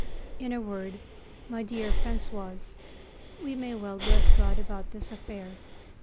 In a word, my dear Françoise, we may well bless God about this affair.